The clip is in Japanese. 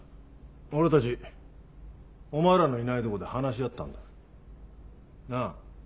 俺たちお前らのいないとこで話し合ったんだ。なぁ。